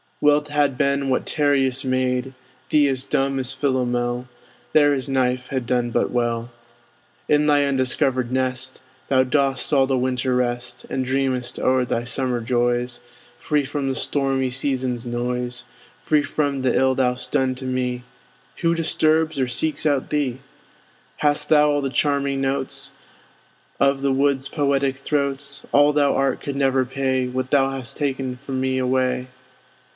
Well 't had been had Tereus made Thee as dumb as Philomel; There his knife had done but well. In thy undiscovered nest Thou dost all the winter rest, And dreamest o'er thy summer joys, Free from the stormy season's noise: Free from th' ill thou'st done to me; Who disturbs or seeks out thee? Hadst thou all the charming notes Of the wood's poetic throats, All thou art could never pay What thou hast ta'en from me away.